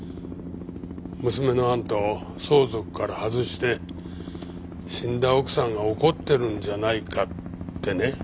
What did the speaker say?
娘のあんたを相続から外して死んだ奥さんが怒ってるんじゃないかってね。